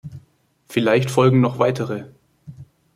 Vielleicht folgen noch weitere.